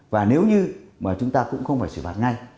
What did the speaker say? và nếu như mà chúng ta cũng không phải xử phạt ngay